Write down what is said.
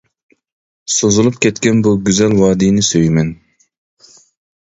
سوزۇلۇپ كەتكەن بۇ گۈزەل ۋادىنى سۆيىمەن.